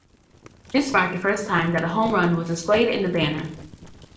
This marked the first time that a home run was displayed in the banner.